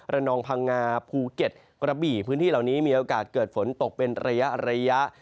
นองพังงาภูเก็ตกระบี่พื้นที่เหล่านี้มีโอกาสเกิดฝนตกเป็นระยะ